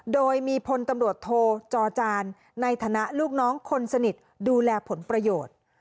โดยมีพลตำรวจโทจอจานในฐานะลูกน้องคนสนิทดูแลผลประโยชน์